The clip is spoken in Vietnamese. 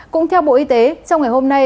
cũng theo bộ y tế trong ngày hôm nay